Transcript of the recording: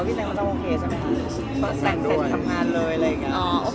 เพราะแสงเป็นทำงานเลยเลยค่ะ